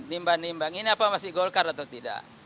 nimbang nimbang ini apa masih golkar atau tidak